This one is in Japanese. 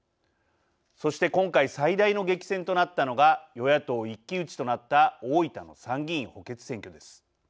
そして今回最大の激戦となったのが与野党一騎打ちとなった大分の参議院補欠選挙です。